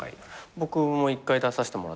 僕も１回出させてもらった。